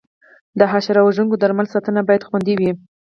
د حشره وژونکو درملو ساتنه باید خوندي وي.